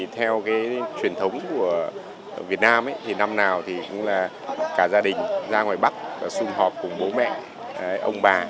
theo truyền thống của việt nam thì năm nào thì cũng là cả gia đình ra ngoài bắc xung họp cùng bố mẹ ông bà